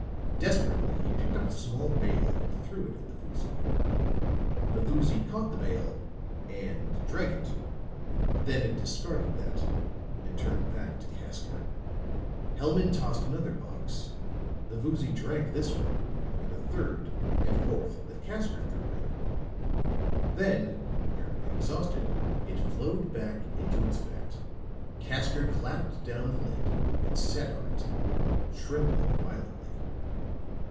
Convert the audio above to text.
Desperately he picked up a small bale and threw it at the Voozy. The Voozy caught the bale and drank it. Then it discarded that and turned back to Casker. Hellman tossed another box. The Voozy drank this one and a third and fourth that Casker threw in. Then, apparently exhausted, it flowed back into its vat. Casker clapped down the lid and sat on it, trembling violently.